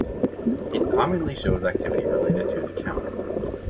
It commonly shows activity related to an account.